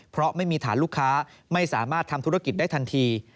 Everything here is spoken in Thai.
เพราะไม่มีฐานลูกค้าไม่สามารถทำธุรกิจได้ทันที